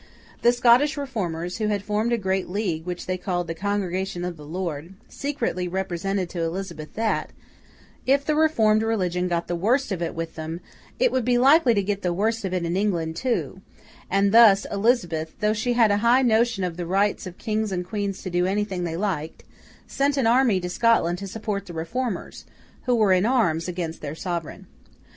The Scottish Reformers, who had formed a great league which they called The Congregation of the Lord, secretly represented to Elizabeth that, if the reformed religion got the worst of it with them, it would be likely to get the worst of it in England too; and thus, Elizabeth, though she had a high notion of the rights of Kings and Queens to do anything they liked, sent an army to Scotland to support the Reformers, who were in arms against their sovereign.